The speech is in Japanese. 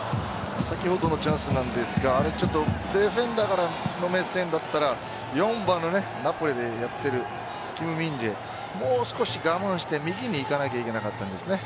先ほどのチャンスなんですがディフェンダーからの目線だったら４番のナポリでやっているキム・ミンジェもう少し我慢して右に行かなければいけなかったんですね。